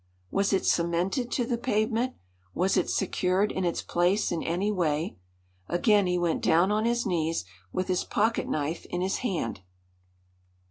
Was it cemented to the pavement? Was it secured in its place in any way? Again he went down on his knees, with his pocket knife in his hand.